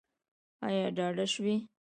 ایا ډاډه شوئ؟